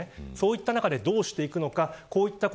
そういった中でどうしていくのか。